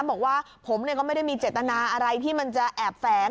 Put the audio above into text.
บอกว่าผมก็ไม่ได้มีเจตนาอะไรที่มันจะแอบแฝง